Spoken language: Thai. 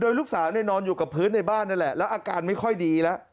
ลูกสาวเนี่ยนอนอยู่กับพื้นในบ้านนั่นแหละแล้วอาการไม่ค่อยดีแล้ว